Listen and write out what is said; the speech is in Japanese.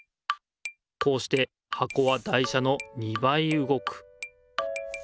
こうしてはこは台車の２ばいうごく。